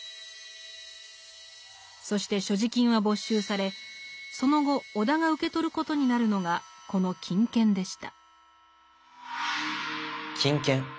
そして所持金は没収されその後尾田が受け取ることになるのがこの金券でした。